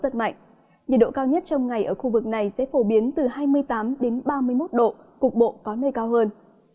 nhiệt độ cao nhất trong ngày ở khu vực này sẽ phổ biến từ hai mươi tám ba mươi một độ cục bộ có nơi cao hơn